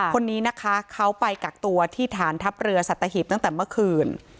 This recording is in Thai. คนนี้นะคะเขาไปกักตัวที่ฐานทัพเรือสัตหีบตั้งแต่เมื่อคืน